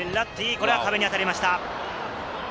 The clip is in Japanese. これは壁に当たりました。